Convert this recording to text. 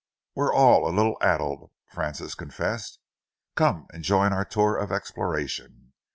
"We're all a little addled," Francis confessed. "Come and join our tour of exploration.